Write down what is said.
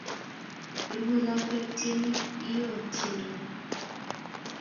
Ruei lakwet, tieni iyoo tiendo